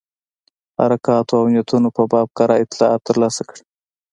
حرکاتو او نیتونو په باب کره اطلاعات ترلاسه کړي.